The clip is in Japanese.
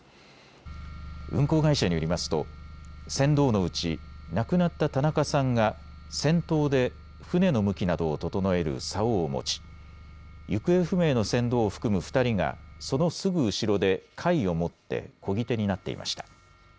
運航会社によりますと船頭のうち亡くなった田中さんが先頭で舟の向きなどを整えるさおを持ち、行方不明の船頭を含む２人がそのすぐ後ろでかいを持ってこぎ手になっていました。